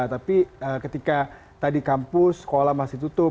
tapi ketika tadi kampus sekolah masih tutup